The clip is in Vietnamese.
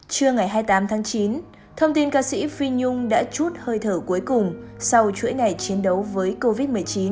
trưa ngày hai mươi tám tháng chín thông tin ca sĩ phi nhung đã chút hơi thở cuối cùng sau chuỗi ngày chiến đấu với covid một mươi chín